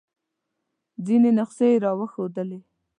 ځینې نسخې یې را وښودلې.